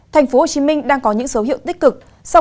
thành phố hồ chí minh đang có những dấu hiệu tích cực